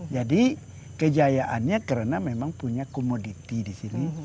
jadi kejayaannya karena memang punya komoditi di sini